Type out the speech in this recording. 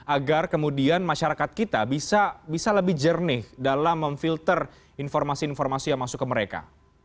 agar kemudian masyarakat kita bisa lebih jernih dalam memfilter informasi informasi yang masuk ke mereka